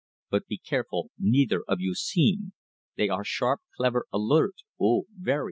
But be careful neither of you seen. They are sharp, clever, alert oh, ve ry!